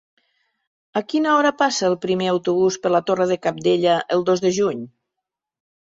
A quina hora passa el primer autobús per la Torre de Cabdella el dos de juny?